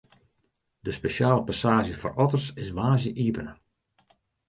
De spesjale passaazje foar otters is woansdei iepene.